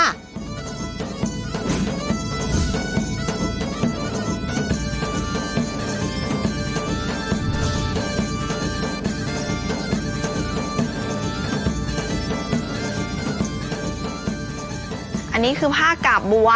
อันนี้คือผ้ากาบบัว